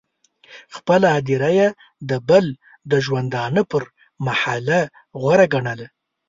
خپله هدیره یې د بل د ژوندانه پر محله غوره ګڼله.